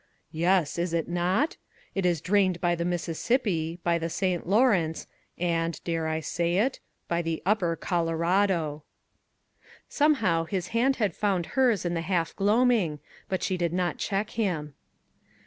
"Yes, is it not? It is drained by the Mississippi, by the St. Lawrence, and dare I say it? by the Upper Colorado." Somehow his hand had found hers in the half gloaming, but she did not check him.